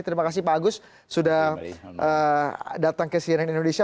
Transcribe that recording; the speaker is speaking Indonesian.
terima kasih pak agus sudah datang ke cnn indonesia